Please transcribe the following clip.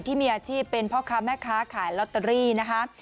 ที่มีอาชีพเป็นพ่อค้าแม่ค้าขายลอตเตอรี่นะคะ